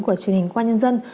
của truyền hình qua nhân dân